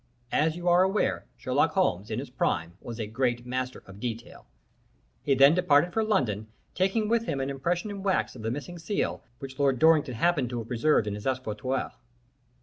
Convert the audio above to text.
As you are aware, Sherlock Holmes, in his prime, was a great master of detail. He then departed for London, taking with him an impression in wax of the missing seal, which Lord Dorrington happened to have preserved in his escritoire.